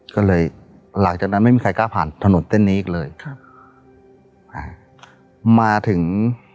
ก็เลยหลังจากนั้นไม่มีใครกล้าผ่านถนนเส้นนี้อีกเลยครับอ่ามาถึง